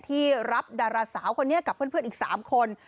ที่รับดาราสาวคนนี้กับเพื่อนอีก๓คน